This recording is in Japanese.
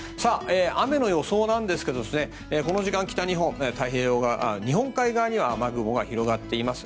雨の予想なんですがこの時間、北日本日本海側には雨雲が広がっています。